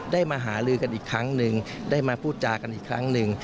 มาหาลือกันอีกครั้งหนึ่งได้มาพูดจากันอีกครั้งหนึ่ง